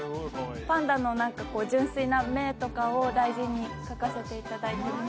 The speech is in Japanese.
パンダの何か純粋な目とかを大事に描かせていただいてます